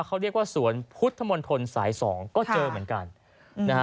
เขาเรียกว่าสวนพุทธมนตรสายสองก็เจอเหมือนกันนะฮะ